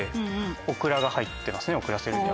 「オクラ」が入ってますね「遅らせる」には。